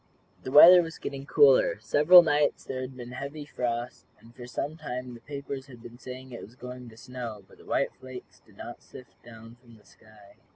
The weather was getting cooler. Several nights there had been heavy frosts, and for some time the papers had been saying that it was going to snow, but the white flakes did not sift down from the sky.